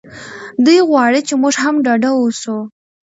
دی غواړي چې موږ هم ډاډه اوسو.